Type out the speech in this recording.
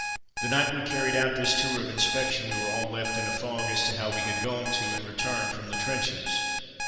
The night we carried out this tour of inspection we were all left in a fog as to how we had gone to and returned from the trenches.